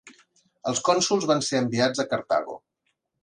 Els cònsols van ser enviats a Cartago.